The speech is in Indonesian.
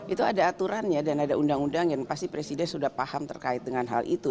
itu ada aturannya dan ada undang undang yang pasti presiden sudah paham terkait dengan hal itu